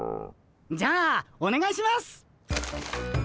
じゃあおねがいしますっ！